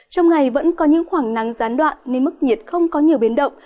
trong ngày vẫn có những khoảng nắng gián đoạn nên mức nhiệt không có nhiều biến động